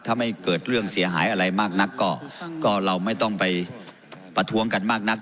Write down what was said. ถ้าไม่เกิดเรื่องเสียหายอะไรมากนักก็เราไม่ต้องไปประท้วงกันมากนัก